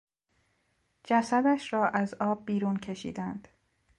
جسدش را از آب بیرون کشیدند.